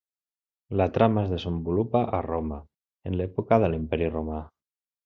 La trama es desenvolupa a Roma, en l'època de l'Imperi Romà.